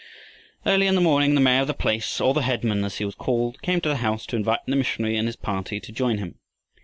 Early in the morning the mayor of the place, or the headman as he was called, came to the house to invite the missionary and his party to join him.